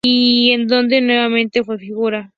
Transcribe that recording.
Y en donde nuevamente fue figura.